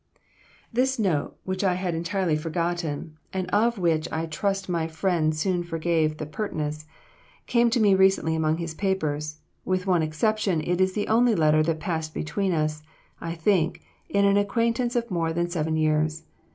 This note, which I had entirely forgotten, and of which I trust my friend soon forgave the pertness, came to me recently among his papers; with one exception, it is the only letter that passed between us, I think, in an acquaintance of more than seven years.